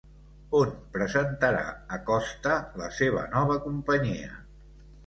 On presentarà Acosta la seva nova companyia?